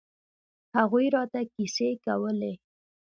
هغوى راته کيسې کولې.